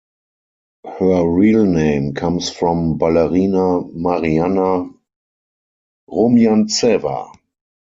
Her real name comes from ballerina Marianna Rumjantseva.